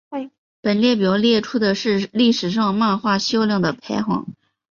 本列表列出的是历史上漫画销量的排行。